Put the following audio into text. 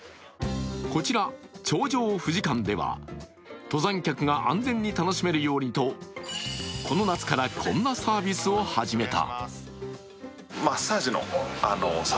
こちら、頂上富士館では、登山客が安全に楽しめるようにとこの夏からこんなサービスを始めた。